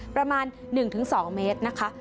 ประมาณ๑๒เมตรนะคะ